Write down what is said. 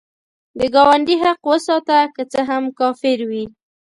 د ګاونډي حق وساته، که څه هم کافر وي